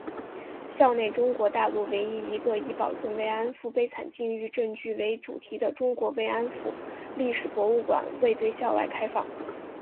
校内中国大陆唯一一个以保存“慰安妇”悲惨境遇证据为主题的中国“慰安妇”历史博物馆还未对校外开放。